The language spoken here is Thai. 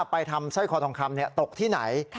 ไปทำสร้อยคอทองคำตกที่ไหน